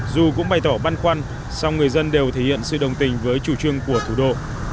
dù cũng bày tỏ băn khoăn song người dân đều thể hiện sự đồng tình với chủ trương của thủ đô